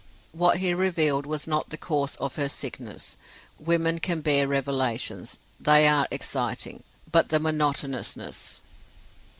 What he revealed was not the cause of her sickness: women can bear revelations they are exciting: but the monotonousness.